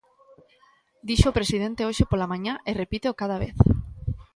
Díxoo o presidente hoxe pola mañá e repíteo cada vez.